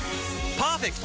パーフェクト！